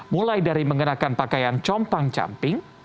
mulai dari mengenakan pakaian compang camping